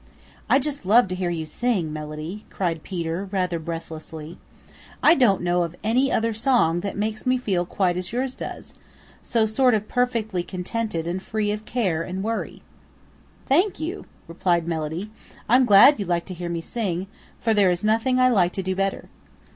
"I just love to hear you sing, Melody," cried Peter rather breathlessly. "I don't know of any other song that makes me feel quite as yours does, so sort of perfectly contented and free of care and worry." "Thank you," replied Melody. "I'm glad you like to hear me sing for there is nothing I like to do better.